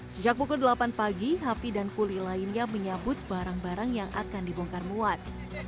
sejak pukul delapan pagi hafi dan kuli lainnya menyambut barang barang yang akan dibongkar muat